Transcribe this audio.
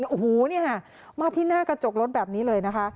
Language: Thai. โอ้โหเนี่ยค่ะมาที่หน้ากระจกรถแบบนี้เลยนะคะ